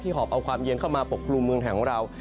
หอบเอาความเย็นเข้ามาปกครุมเมืองไทยของเรา